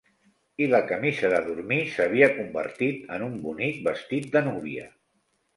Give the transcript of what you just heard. I la camisa de dormir s'havia convertit en un bonic vestit de núvia.